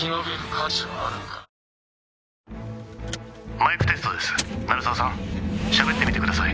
マイクテストです鳴沢さんしゃべってみてください